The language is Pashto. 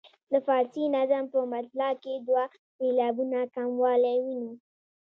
د فارسي نظم په مطلع کې دوه سېلابونه کموالی وینو.